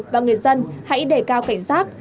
và người dân hãy để cao cảnh giác